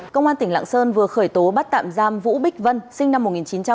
công an tỉnh lạng sơn vừa khởi tố bắt tạm giam vũ bích vân sinh năm một nghìn chín trăm tám mươi